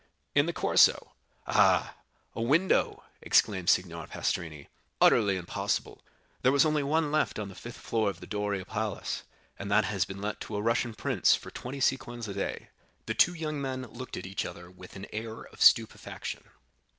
"In the Corso." "Ah, a window!" exclaimed Signor Pastrini,—"utterly impossible; there was only one left on the fifth floor of the Doria Palace, and that has been let to a Russian prince for twenty sequins a day." The two young men looked at each other with an air of stupefaction.